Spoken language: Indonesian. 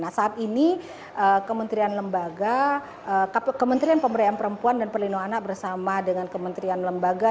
nah saat ini kementerian pemerintahan perempuan dan perlindungan anak bersama dengan kementerian lembaga